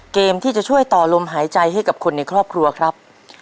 เกมที่จะช่วยต่อลมหายใจให้กับคนในครอบครัวครับ